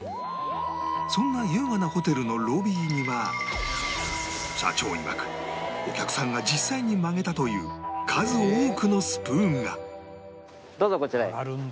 そんな優雅なホテルのロビーには社長いわくお客さんが実際に曲げたという数多くのスプーンが